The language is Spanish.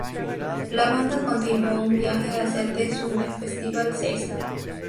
La banda continuo un viaje hacia the summer festival season.